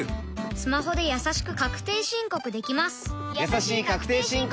スマホでやさしく確定申告できます